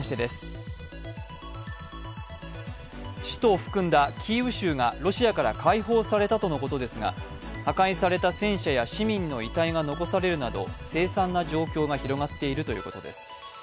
首都を含んだキーウ州がロシアから解放されたということですが破壊された戦車や市民の遺体が残されるなど、凄惨な状況が広がっているということです。